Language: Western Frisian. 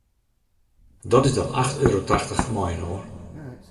Dat is dan acht euro tachtich mei inoar.